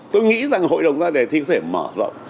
tôi nghĩ rằng hội đồng ra đề thi có thể mở rộng